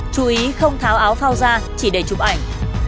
chú ý không tháo áo phao ra chỉ để chụp ảnh